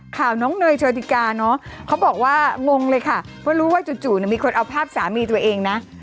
ข่าวน้องเนยโชติกาเนอะเขาบอกว่างงเลยค่ะว่ารู้ว่าจู่มีคนเอาภาพสามีตัวเองนะ